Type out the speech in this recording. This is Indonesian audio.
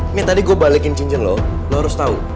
ini tadi gue balikin cincin lo lo harus tahu